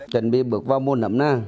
chuẩn bị bước vào mua nấm nè